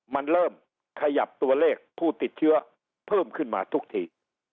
มันเริ่มขยับตัวเลขผู้ติดเชื้อเพิ่มขึ้นมาทุกที